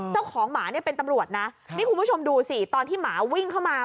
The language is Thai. เจ้าของหมาเนี่ยเป็นตำรวจนะนี่คุณผู้ชมดูสิตอนที่หมาวิ่งเข้ามา